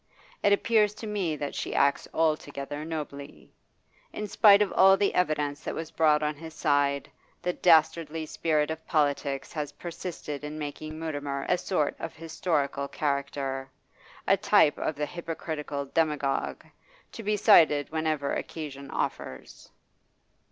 It appears to me that she acts altogether nobly. In spite of all the evidence that was brought on his side, the dastardly spirit of politics has persisted in making Mutimer a sort of historical character, a type of the hypocritical demagogue, to be cited whenever occasion offers.